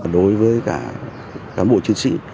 đối với cả cán bộ chiến sĩ